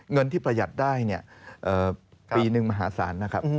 เงินที่ประหยัดได้ปีหนึ่งมหาศาลนะครับ